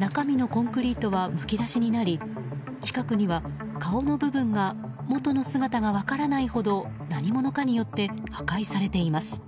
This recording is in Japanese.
中身のコンクリートはむき出しになり近くには、顔の部分が元の姿が分からないほど何者かによって破壊されています。